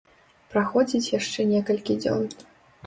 Праходзіць яшчэ некалькі дзён.